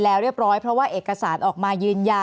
แอนตาซินเยลโรคกระเพาะอาหารท้องอืดจุกเสียดแสบร้อน